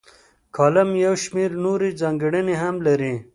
کالم یو شمیر نورې ځانګړنې هم لري.